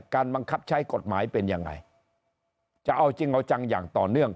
บังคับใช้กฎหมายเป็นยังไงจะเอาจริงเอาจังอย่างต่อเนื่อง